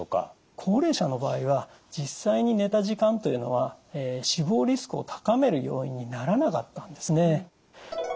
高齢者の場合は実際に寝た時間というのは死亡リスクを高める要因にならなかったんですね。